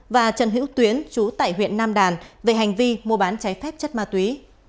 và trần hữu tuyến chú tại huyện nam đàn về hành vi mua bán trái phép chất ma túy